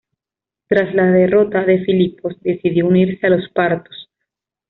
Tras la derrota de Filipos, decidió unirse a los partos.